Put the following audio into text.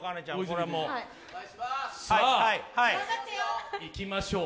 さあ、いきましょう。